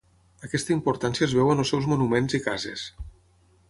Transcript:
Aquesta importància es veu en els seus monuments i cases.